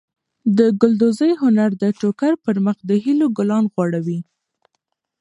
د ګلدوزۍ هنر د ټوکر پر مخ د هیلو ګلان غوړوي.